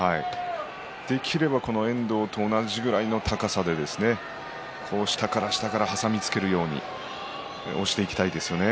できれば遠藤と同じぐらいの高さで下から下から挟みつけるように押していきたいですよね。